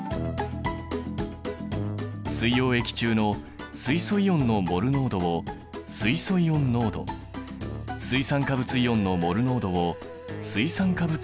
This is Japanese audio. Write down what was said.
水溶液中の水素イオンのモル濃度を水素イオン濃度水酸化物イオンのモル濃度を水酸化物イオン濃度という。